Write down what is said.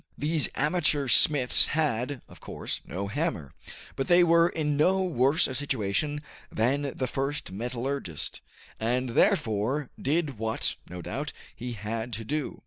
These amateur smiths had, of course, no hammer; but they were in no worse a situation than the first metallurgist, and therefore did what, no doubt, he had to do.